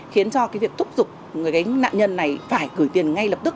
khiến cho việc thúc giục người nạn nhân này phải gửi tiền ngay lập tức